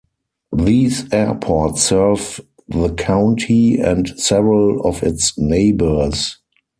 These airports serve the county and several of its neighbours.